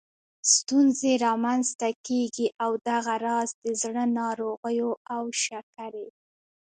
ستونزې رامنځته کېږي او دغه راز د زړه ناروغیو او شکرې